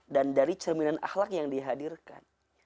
dan dari cerminan akhlak yang dihadirkan